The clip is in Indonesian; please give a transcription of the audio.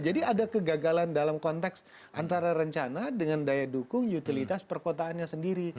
jadi ada kegagalan dalam konteks antara rencana dengan daya dukung utilitas perkotaannya sendiri